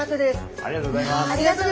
ありがとうございます。